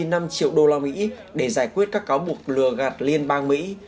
hà nội đã đồng ý năm triệu đô la mỹ để giải quyết các cáo buộc lừa gạt liên bang mỹ